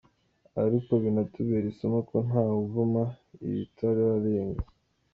Ariko binatubere isomo ko nta wuvuma iritararenga.